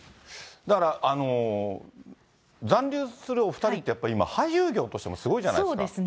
だから、残留するお２人って、今、やっぱり今、俳優業としてもすごいじゃないですか。